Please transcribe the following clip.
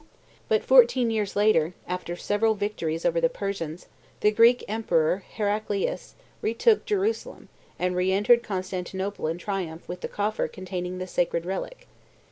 But fourteen years later, after several victories over the Persians, the Greek emperor, Heraclius, retook Jerusalem, and re entered Constantinople in triumph with the coffer containing the sacred relic.